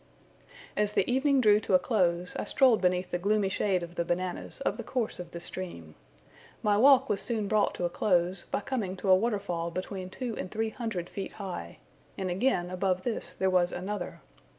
As the evening drew to a close, I strolled beneath the gloomy shade of the bananas up the course of the stream. My walk was soon brought to a close, by coming to a waterfall between two and three hundred feet high; and again above this there was another.